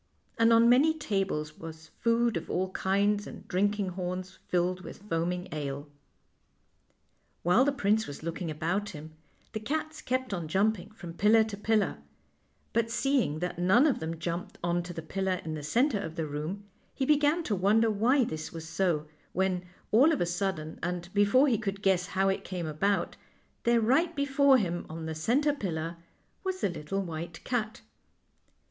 And on many tables was food of all kinds, and drinking horns filled with foaming ale. 11 While the prince was looking about him the cats kept on jumping from pillar to pillar; but seeing that none of them jumped on to the pillar in the centre of the room, he began to wonder why this was so, when, all of a sudden, and be fore he could guess how it came about, there right before him on the center pillar was the lit tle white cat.